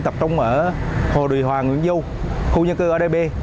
tập trung ở hồ đùi hòa nguyễn du khu nhân cư ở đây b